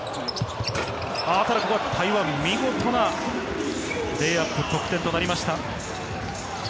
ただここは台湾、見事なレイアップ、得点となりました。